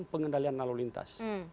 pengendalian lalu lintas